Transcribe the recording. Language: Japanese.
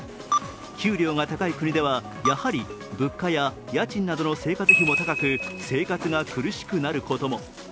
給料が高い国ではやはり物価や家賃など生活費も高く、生活が苦しくなることも。